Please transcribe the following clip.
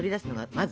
まず。